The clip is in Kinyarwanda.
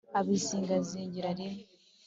abizingazingira rimwe